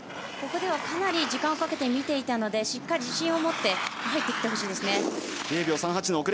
ここはかなり時間をかけて見ていたのでしっかり自信を持って入っていってほしいですね。